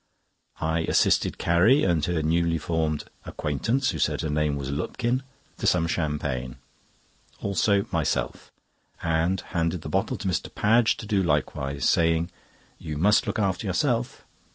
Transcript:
I assisted Carrie and her newly formed acquaintance, who said her name was Lupkin, to some champagne; also myself, and handed the bottle to Mr. Padge to do likewise, saying: "You must look after yourself."